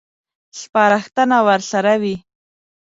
سپارښتنه ورسره وي.